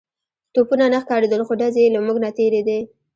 توپونه نه ښکارېدل خو ډزې يې له موږ نه تېرېدې.